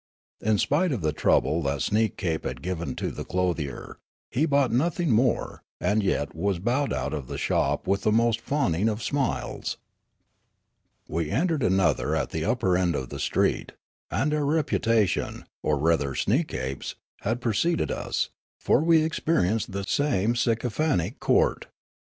In spite of the trouble that Sneekape had given to the clothier, he bought nothing more, and yet was bowed out of the shop with the most fawning of smiles. We entered another at the upper end of the street ; and our reputation, or rather Sneekape' s, had preceded us ; for we experienced the same sycophantic court.